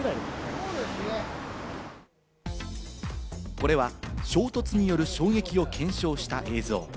これは衝突による衝撃を検証した映像。